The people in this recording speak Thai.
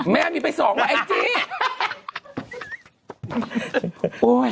แม่มีไปสองวะไอจี้